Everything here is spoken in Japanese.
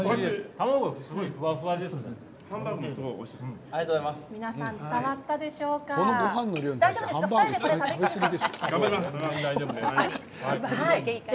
卵がすごいふわふわですね。